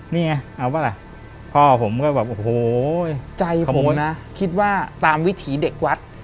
นี่ไงเอาป่ะล่ะพ่อผมก็แบบโอ้โหใจผมนะคิดว่าตามวิถีเด็กวัด